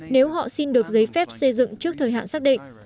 nếu họ xin được giấy phép xây dựng trước thời hạn xác định